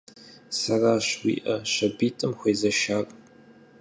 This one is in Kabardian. Сэращ уи Ӏэ щабитӀым хуезэшар.